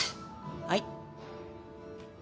はい。